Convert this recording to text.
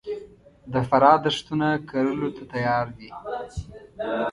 د فراه دښتونه کرلو ته تیار دي